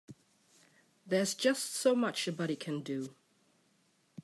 There's just so much a body can do.